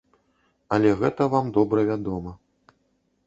Але гэта вам добра вядома.